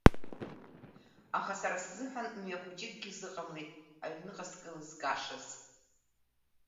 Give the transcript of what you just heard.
Аха сара сзыҳәан мҩа хәыҷыкгьы зыҟамлеит аҩныҟа скылызгашаз.